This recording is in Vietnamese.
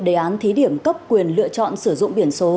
đề án thí điểm cấp quyền lựa chọn sử dụng biển số